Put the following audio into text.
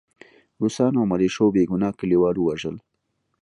روسانو او ملیشو بې ګناه کلیوال ووژل